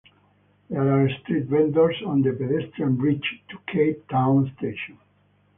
There are street vendors on the pedestrian bridge to Cape Town Station.